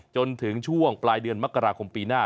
จนถึงช่วงปลายเดือนมกราคมปีหน้า